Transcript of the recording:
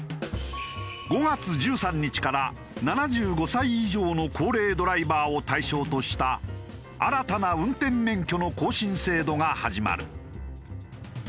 ５月１３日から７５歳以上の高齢ドライバーを対象とした新たな運転免許の更新制度が始まる。